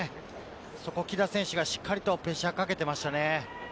そこを木田選手がしっかりとプレッシャーをかけていましたね。